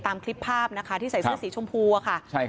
ตามคลิปภาพนะคะที่ใส่เสื้อสีชมพูอะค่ะ